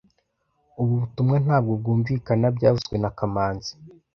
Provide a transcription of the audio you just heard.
Ubu butumwa ntabwo bwumvikana byavuzwe na kamanzi